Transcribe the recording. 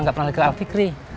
gak pernah ngelakal alfi kri